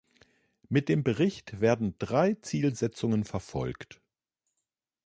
Mit dem Bericht werden drei Zielsetzungen verfolgt.